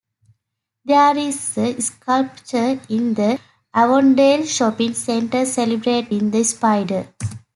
There is a sculpture in the Avondale shopping centre celebrating the spider.